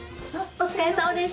お疲れさまです。